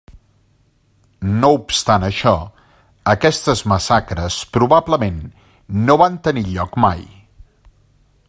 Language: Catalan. No obstant això, aquestes massacres probablement no van tenir lloc mai.